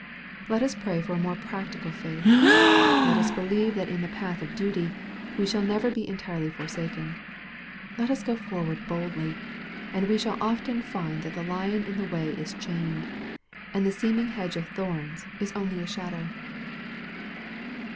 Let ns pray for more practical faith. Let us believe that in the path of duty, we shall never be entirely for saken. Let us go forward boldly, and we shall often find that the lion in the way is chained, and the seeding \iedge of thorns is only a shadow.